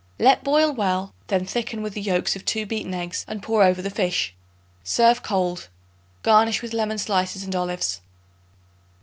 Let boil well; then thicken with the yolks of 2 beaten eggs and pour over the fish. Serve cold. Garnish with lemon slices and olives.